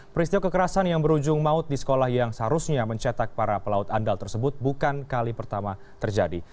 peristiwa kekerasan yang berujung maut di sekolah yang seharusnya mencetak para pelaut andal tersebut bukan kali pertama terjadi